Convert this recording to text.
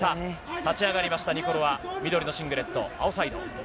立ち上がりました、ニコロワ、緑のシングレット、青サイド。